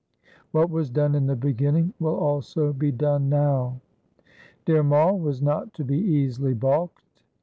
What was done in the beginning will also be done now.' Dhir Mai was not to be easily balked.